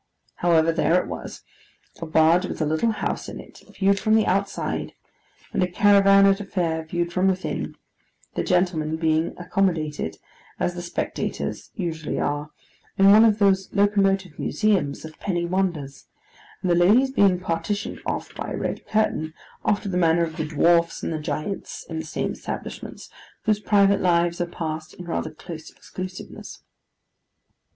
However, there it was—a barge with a little house in it, viewed from the outside; and a caravan at a fair, viewed from within: the gentlemen being accommodated, as the spectators usually are, in one of those locomotive museums of penny wonders; and the ladies being partitioned off by a red curtain, after the manner of the dwarfs and giants in the same establishments, whose private lives are passed in rather close exclusiveness.